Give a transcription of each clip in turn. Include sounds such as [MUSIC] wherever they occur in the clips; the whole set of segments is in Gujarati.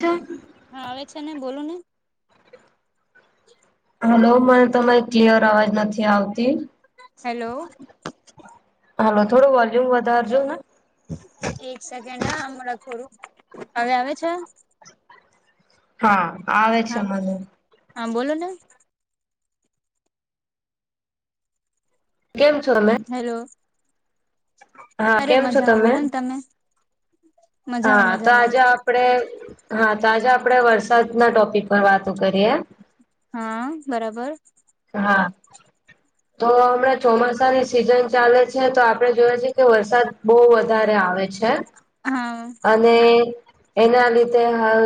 હ. હા આવે છે ને બોલું ને. હલો મને તમારી ક્લિયર અવાજ નથી આવતી. હેલો હલોો થોડો વોલ્યુમ વધારજો ને. એક સેકન્ડ ના આમળખોડું હવે આવે છે. હા. આવે છે હા મને હા બોલો ને. કેમ છો તમે. હેલો હા અરે કેમ છો મજામાં બોલો ને તમે. મજામાં હા તો મજામાં આજે આપડે હા તો આજે આપડે વરસાદ ના ટોપિક પર વાતો કરીએ. હા બરાબર. હા તો હમણાં ચોમાસાની સિઝન ચાલે છે તો આપડે જોવે છે કે વરસાદ બહુ વધારે આવે છે. હા. અને એના લીધે હાલ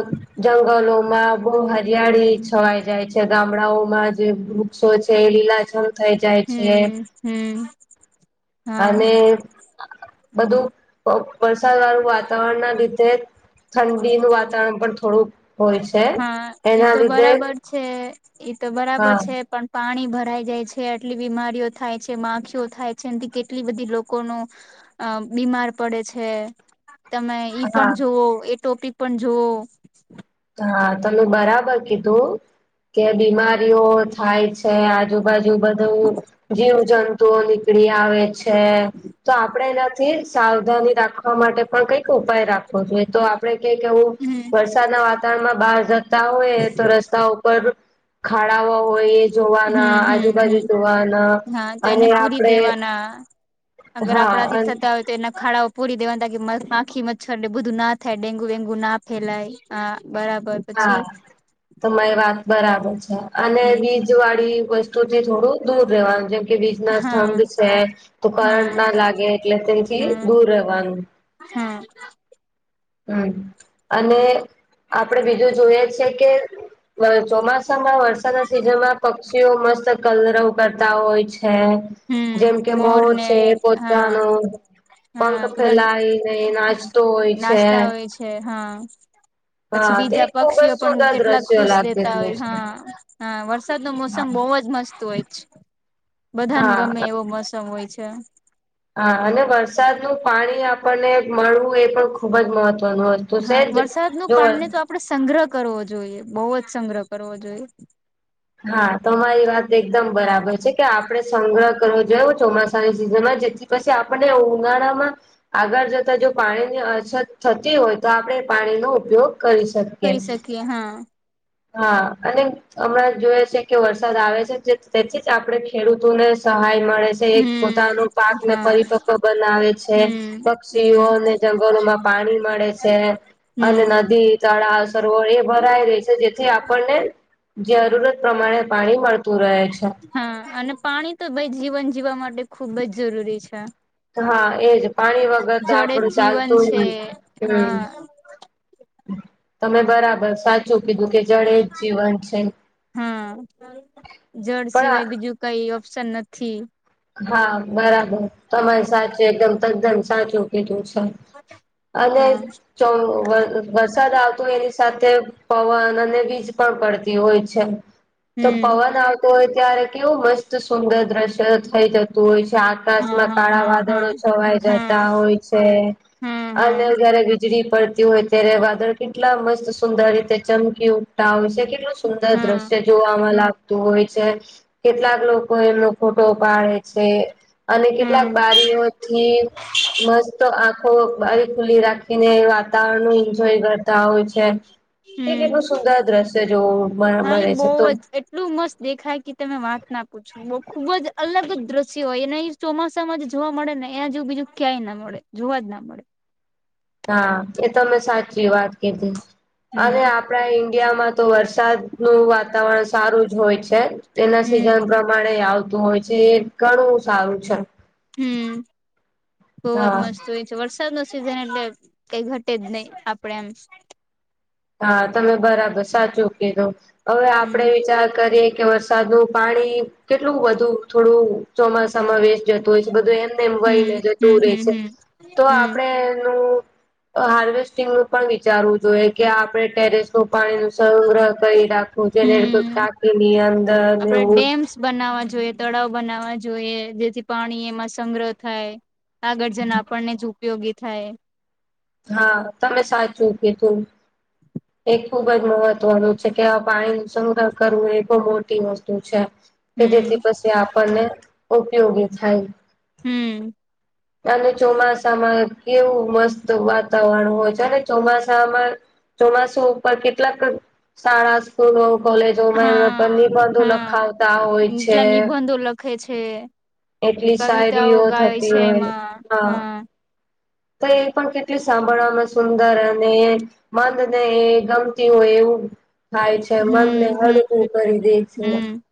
જંગલોમાં બહ હરિયાળી છવાઈ જાય છે ગામડાઓમાં જે વૃક્ષો છે લીલાજલ થઈ જાય છે. હમ હમ. હા અને બધું વરસાદ વાળું વાતાવરણ ના લીધે ઠંડીનું વાતાવરણ પણ થોડુંક હોય છે હા ઈ એના તો લીધે બરાબર છે ઈ તો બરાબર હા છે પણ પાણી ભરાઈ જાય છે આટલી બીમારીઓ થાય છે માખીઓ થાય છે એથી કેટલી બધી લોકોનું અ બીમાર પડે છે. તમે ઈ હા પણ જોુવઓ એ ટોપિક પણ જુવ હા તમે બરાબર કીધું કે બીમારીઓ થાય છે આજુ બાજુ બધું જીવ જંતુઓ નીકળી આવે છે. તો આપણેે એનાથી સાવધાની રાખવા માટે પણ કઈક ઉપાય રાખવો જોઈએ તો. આપણે ક એવુ હમ વરસાદના વાતાવરણમાં બહાર જતા હોય તો રસ્તા ઉપર ખાડાઓ હોય એ જોવાના હમ હમ હમ આજુબાજુ જોવાના તો એને અને પૂરી આપડે દેવાના હા અગર હા આપણા થી અન થતા હોય. તો એના ખાડાઓ પૂરી દેવાના તાકી માખી મચ્છર તે બુધું ના થાય ડેન્ગુ વેન્ગુ ના ફેલાય. હા બરાબર. હા પછી તમારી વાત બરાબર છે અને હમ બીજ વાળી વસ્તુઓ થી થોડું દૂર રહેવાનું જે કે વીજ ના હા સ્તંભ છે તો કરંટ હા ના લાગે એટલે તેથી દૂર રહેવાનું. હમ્મ હમ્મ અને આપડે બીજું જોયએ છે કે ચોમાસામાં વરસાદના સિઝનમાં પક્ષીઓ મસ્ત કલરવ કરતા હોય છે. જેમ કે હમ મોર ને છે હા પોતાનો પંખ હા બધા ફેલાય નને નાસ્તો હોય છે. તા હોય છે હા. પછી હા તે બીજા ખુબ જ પક્ષીઓ પણ સુંદર કેટલા દ્રશ્ય ખુશ લાગતું રહેેતા હોય છે હા. હા વરસાદ નો મોસમ બહુ જ મસ્ત હોય. છે બધાને હા ગમે એવો મોસમ હોય છે. હા અને વરસાદનું પાણી આપણને મળવું એ પણ ખુબ જ મહત્વનું હો છે. તો સહેજ જો આપડે સંગ્રહ કરવો જોઈએ બહુ જ સંગ્રહ કરવો જોઈએ. હા તો અમારી વાત એકદમ બરાબર છે કે આપડણે સંગ્રહ કરવો જો ચોમાસાની સિઝનમાં જે પછી આપણે ઉનાળા માં આગળ જતા જો પાણીની અછત થતી હોય તો આપણેે એ પાણીનો ઉપયોગ કરી શકીએ. કરી શકીએ હા. હા અને હમણાં જોઈએ છે કે વરસાદ આવે છે તેથી જ આપણે ખેડૂતોને સહાય મળે છે. તે પોતાનો પાક હમ ને હા પરિપક્વ બનાવે છે. હમ હમ પક્ષીઓને જંગલોમાં પાણી મળે છે અને હમ નદી તળાવ સરોવર એ ભરાય રહી છે જે થી આપણને જરૂરત પ્રમાણે પાણી મળતું રહે છે. હા અને પાણી તો ભાઈ જીવન જીવવા માટે ખુબ જ જરૂરી છે. હા એજ પાણી વગર તો જળ જ આપડું જીવન ચાલતું છે હમ્મ હા તમે બરાબર સાચું કીધું કે જળ એ જ જીવન છે હા જળ પણ સિવાય બીજું કઈ ઓપ્શન નથી હા બરાબર તમારી સાચ એકદમ તદ્દન સાચું કીધું છે અને હા છો વરસાદ આવતો એની સાથે પવન અને વીજ પણ પડતી હોય છે તો હમ પવન આવતો હોય ત્યારે કેવું મસ્ત સુંદર દ્રશ્ય થઈ જતું હોય છે આ આકાશમાં હા કાળા હા હા વાદળો છવાઈ હા જતા હા હોય છે હા હા અને જયારે વીજળી પડતી હોય ત્યારે વાદળ કેટલા મસ્ત સુંદર રીતે ચમકી ઉઠતા હોય છે કેટલું સુંદર હા દ્રશ્ય જોવાવામાં લાગતું હોય છે કેટલાક લોકો એમનો ફોટો પાડે છે અને હા કેટલાક બારીઓથી મસ્ત આંખો બારી ખુલ્લી રાખીને વાત વાતાવરણ નુ એન્જોય કરતા હોય છે એ હમ કેટલું સુંદર દ્રશ્ય જોવ હા એ મળે બહુ છે તો એટલું મસ્ત દેખાય કે તમે વાત ના પૂછો બુ ખુબ જ અલગ જ દ્રશ્ય હોય, એને ઈ ચોમાસામાં જોવા જ મળે ને એના જેવું બીજું ક્યાંય ન મળે. જોવા જ ના મળે. હા. એ તમે સાચી વાત કીધી. અરે હમ આપ પણા ઈન્ડિયામાં તો વરસાદ નું વાતાવરણ સારું જ હોય છે. એના સિઝન હમ પ્ર પ્માણે આવતું હોય છે, એ ઘણું સારું છે. હમ્મ. બહુ જ હા. મસ્ત હોય. વરસાદ નો સિઝન એટલે કંઈ ઘટે જ નહી આપડે એમ. હા. તમે બરાબર, સાચું કીધું. હવે આપણે હમ વિચાર કરીએ કે વસ સાદ નું પાણી કેટલું બધુ થોડું ચોમાસામાં વેસ્ટ જતું હોય છે, બધું એમ મ વહી લે હમ જતું હમ રહે હમ છે. હમ તો હમ આપડે એનું હાર્વેસ્ટિંગનું પણ વિચારવું જોઈએ કે આપણે ટેરેસ નું પાણી નું સંગ્રહ કરી રાખવું જોઈને, હમ ટાંકીની અંદર આપડે એવું ડેમ્સ બનાવવા જોઈએ, તળાવ બનાવવા જોઈએ, જેથી પાણી એમાં સંગ્રહ થાય. આગળ જન આપણને જ ઉપયોગી થાય. હા તમે સાચું કીધું. એ ખુબ જ મહત્વનું છે કે આ પાણી નું સંગ્રહ કરવું એ બહું મોટી વસ્તુ છે. કે હમ જેથી પછી આપણને ઉપયોગી થાય. હમ્મ. અને ચોમાસામાં કેવું મસ્ત વાતાવરણ હોય છે. અને ચોમાસામાં ચોમાસું ઉપર કેટલાક શાળા સ્કૂલો, કોલેજોમાં હા નિબંધો હા લખાવતા હોય છે. ખે છે. એટલી કવિતાઓ શાયરી ગાય થતી છે હોય, એમાં હા. તો એ પણ કેટલી સાંભળવામાં સુંદર અને મનને એ ગમતી હોય એવું થાય છે. મનને હમ હમ હડકું કરી દે છે. હમ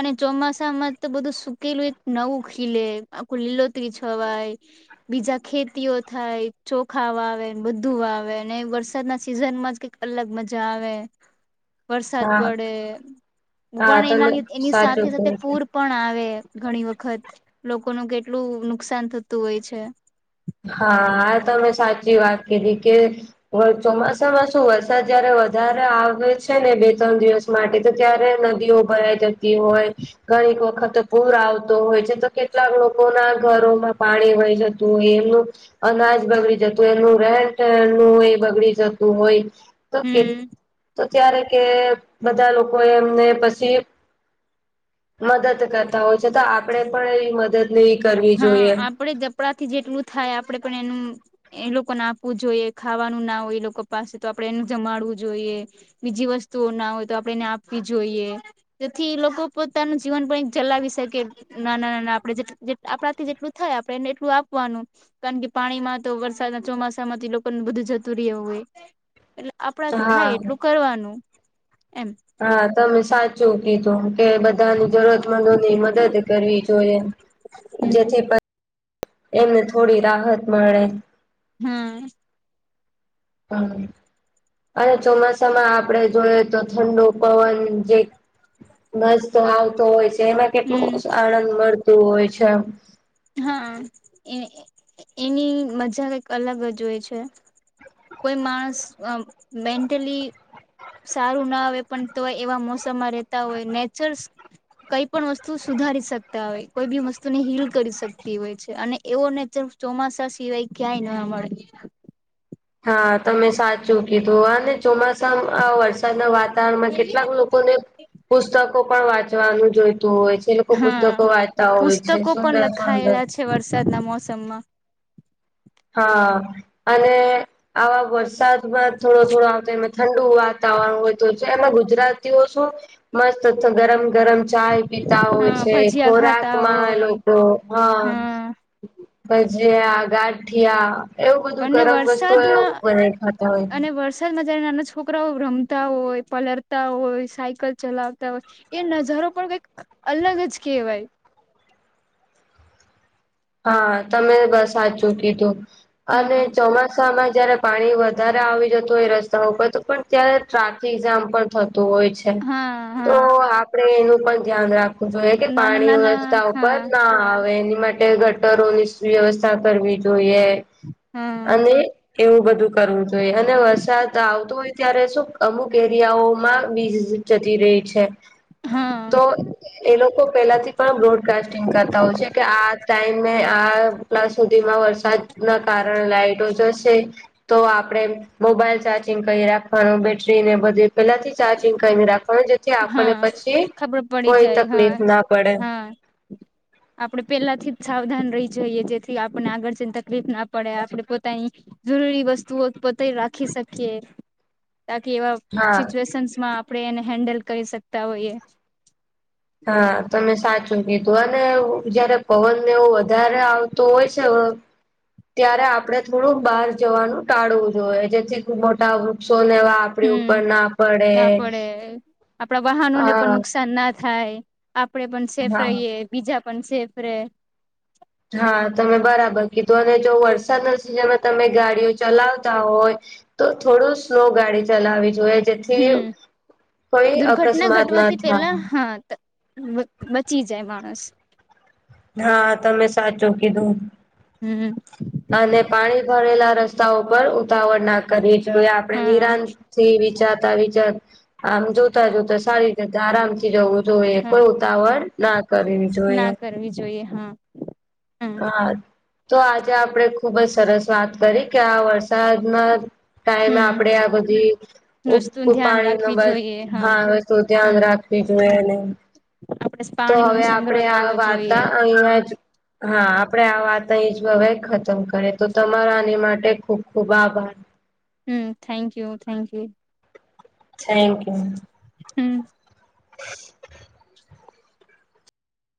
અને ચોમાસામાં તો બધું સુકેલુંએક નવું ખીલે, આખું લીલોતરી છવાય. બીજા ખેતીઓ થાય, ચોખા વાવેન ને બધું વાવે, ને વરસાદના સિઝન માં જ કંઈક અલગ મજા આવે. વરસાદ હા પડે. હા [UNINTELLIGIBLE] એના તમે લીધ ની સાચું કહો સાથે-સાથે છો. પૂર પણ આવે ઘણી વખત. લોકોનું કેટલું નુકસાન થતું હોય છે. હા. તમે સાચી વાત કીધી કે વ ચોમાસામાં શું વરસાદ જયારે વધારે આવે છે ને બે-તણ દિવસ માટે તો ત્યારે નદીઓ ભરાઈ જતી હોય. ઘણીક વખત પૂર આવતો હોય છે, તો કેટલાક લોકો ના ઘરોમાં પાણી વહી જતું હોય, એ નુ અનાજ બગડી જતું હોય, એનું રહેઠેણનું એ બગડી જતું હોય. તો કે, હમ તો ત્યારે કે બધા લોકો એ એમને પસી મદદ કરતા હોય છે. તો આપડે પણ એવી મદદ ને એવી કરવી જોઈએ. આપડાથી જેટલું થાય આપડે પણ એનું એ લોકોને આપવું જોઈએ, ખાવાનું ના હોય એ લોકો પાસે તો આપડે એનું જમાડવું જોઈએ. બીજી વસ્તુઓ ના હોય તો આપડે એને આપવી જોઈએ. તેથી લોકો પોતાનું જીવન પણ એક જલાવી શકે. નાના-નાના આપડે જે-જે આપણાથી જેટલું થાય, આપણે એને એટલું આપવાનું. કારણ કે પાણીમાં તો વરસાદના ચોમાસા માંથી લોકોને બધું જતું રયું હોય. એટલે આપણા થી થાય હા એટલું કરવાનું એમ. હા. તમે સાચું કીધું કે બધ ધાની જરૂરતમંદોની મદદ કરવી જોઈએ. જેથી [UNINTELLIGIBLE] એમને થોડી રાહત મળે. હમ્મ. હા. અને ચોમાસામાં આપડે જોઈએ તો ઠંડુ પવન જે. મસ્ત આવતો હોય છે એમાં કેટલું હમ આનંદ મળતું હોય છે. હા એ એની મજા કઈક અલગ જ હોય છે. કોઈ માણસ આ મેન્ટલી. સારું ના આવે પણ તો એવા મોસમમાં રહેતા હોય નેચર. કઈ પણ વસ્તુ સુધારી શકતા હોય કોઈ બી વસ્તુ ને હીલ. કરી શકતી હોય છે અને એવો નેછર ચોમાસા સિવાય ક્યાંય ના મળે. હા તમે સાચું કીધું આ ને. ચોમાસા આ વરસાદના વાતાવરણમાં કેટલાક લોકોને. પુસ્તકો પણ વાંચવાનું જોઈતું હોય છે. જે લોકો હા પુસ્તકો વાચતા હોય છે પુસ્તકો પણ સુંદર સુંદર. લખાયેલા છે વરસાદના મોસમમાં. હા અને. આવા વરસાદમાં થોડો થોડો આવતા એ ઠંડુ વાતાવરણ હોય તો એમાં ગુજરાતીઓ શું. મસ્ત તો ગરમ ગરમ. ચાય પીતા હોય હા છે ભજીયા ખોરાક ખાતા માં હોય લોકો હા. ભજીયા ગાઠિયા. એવું બધું અને ગરમ વસ્તુ એ બનાવી ખાતા હોય. માં જારે નાના છોકરાઓ રમતા હોય પલરતા હોય સાયકલ ચલાવતા હોય. એ નજારો પણ કઈક અલગ જ કેહેવાય. હા તમે બ સાચું કીધું અને હા ચોમાસામાં જયારે. પાણી વધારે આવી જતું હોય રસ્તા ઉપર તો પણ ત્યારે ટ્રાફિક જામ પણ. થતું હોય છે હા તો હા આપડે એનું પણ ધ્યાન રાખ. જોએ કે નાના પાણી નાના રસ્તા ઉપર હા ના આવે એની માટે. ગટરોની સુ વ્યવસ્થા કરવી જોઈએ હા અને. એવું બધું કરવું જોઈએ અને વરસાદ આવતો હોય ત્યારે શું અમુક એરિયાઓમાં વીજ. જતી રહે છે. હા તો એ લોકો પેલાથી પણ બ્રોડકાસ્ટિંગ કરતા હોય છે કે આ. ટાઈમ આટલા સુધીમાં વરસાદ ના કારણે લાઈટો જશે. તો આપણે મોબાઈલ ચાર્જિંગ કરી રાખવાનું બેટરીને બધી. પેલા થી ચાર્જિંગ કરીને રાખવાનું જેથી. આપણને હા પછી ખબર પડી કોઈ જાય હા તકલીફ ના પડે હા. આપડે પેલા થી જ સાવધાન રહી જઈએ જેથી આપને આગળ જઈને તકલીફ ના પડે આપણે પોતાની. જરૂરી વસ્તુઓ પોતેય રાખી શકીએ તાકી એવા. હા સિચ્યુએશન્સ માં આપણે એને હેન્ડલ કરી શકતા હોઈએ. હા તમે સાચું કીધું અને જયારે. પવન ને એવું વધારે આવતું હોય છે. ત્યારે આપડે થોડું બહાર જવાનું ટાળવું જોઈએ જેથી ખૂબ મોટા વૃક્ષો ને એવા. આપડી હમ ઉપર ના પડે ના પડે આપણા વાહનોને હા પણ નુકસાન ના થાય. આપડે પણ સેફ હા રહીએ બીજા પણ સેફ રે. હા તમે બરાબર કીધું અને જો વરસાદના સિઝનમાં તમે ગાડીઓ ચલાવતા હોય. તો થોડું સ્લો ગાડી ચલાવી જોઈએ. જેથી હમ કોઈ દુર્ઘટના અકસ્માત ના ઘટવાથી પેલા થાય. હા બચી જાય માણસ. હા તમે સાચું કીધું. હમ. અને પાણી ભરેલા રસ્તાઓ પર ઉતાવળ ના કરવી જોઈએ આપણે હા નિરાંત. થી વિચારતા વિચાર આમ જોતા જોતા સારી રીતે આરામ થી જવું. જોઈએ હા કોઈ ઉતાવળ ના કરવી ના જોઈએ. કરવી જોઈએ હા. હમ હા તો આજે આપણેે ખુબ જ સરસ વાત કરી કે આ વરસાદમાં ટાઈમ હમ આપડે આ બધી વસ્તુ ધ્યાન પાણી રાખવી જોઈએ ન હા તો ધ્યાન હા રાખ બજ આપડે તો પાણી નો હવે સંગ્રહ આપણેે આ કરવો જોઈએ વાર્તા અહ. હા આપડે આ વાત અહી જ હવે ખતમ કરીએ તો તમારા આની માટે ખુબ ખુબ આભાર. હમ થેન્ક યુ થેન્કયુ. સેકયુ હમ